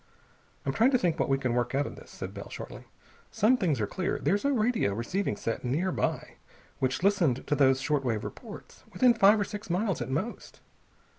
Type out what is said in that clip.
"I'm trying to think what we can work out of this," said Bell shortly. "Some things are clear. There's a radio receiving set nearby, which listened to those short wave reports. Within five or six miles, at most.